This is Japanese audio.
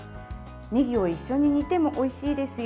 ねぎを一緒に煮てもおいしいです。